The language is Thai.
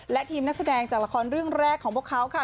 และทีมนักแสดงจากละครเรื่องแรกของพวกเขาค่ะ